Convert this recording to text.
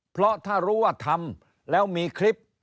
เพราะถ้ารู้ว่าทำแล้วมีคลิป